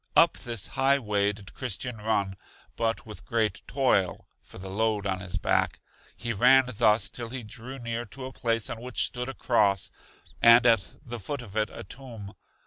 Up this high way did Christian run, but with great toil for the load on his back. He ran thus till he drew near to a place on which stood a cross, and at the foot of it a tomb.